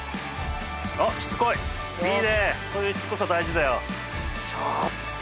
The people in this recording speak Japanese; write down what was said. そういうしつこさ大事だよ。